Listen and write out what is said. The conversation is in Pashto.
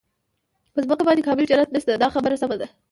په ځمکه باندې کامل جنت نشته دا خبره سمه ده.